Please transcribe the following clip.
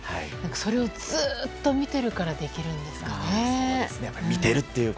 それをずっと見てるからできるんですかね。